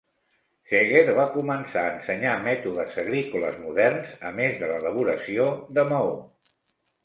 Seger va començar a ensenyar mètodes agrícoles moderns a més de l'elaboració de maó.